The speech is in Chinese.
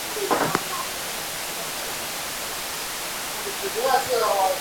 故事主要以静冈县及东京都江东区深川为主要场景。